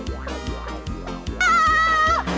tolong hp jalanku